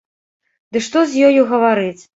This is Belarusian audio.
Ды што з ёю гаварыць!